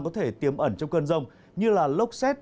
có thể tiêm ẩn trong cơn rông như là lốc xét